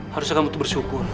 harusnya kamu harus bersyukur